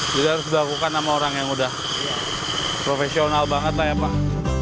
jadi harus dilakukan sama orang yang udah profesional banget ya pak